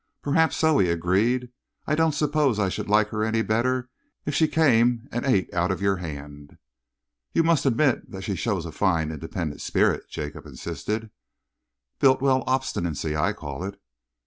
"Perhaps so," he agreed. "I don't suppose I should like her any better if she came and ate out of your hand." "You must admit that she shows a fine, independent spirit," Jacob insisted. "Bultiwell obstinacy, I call it!"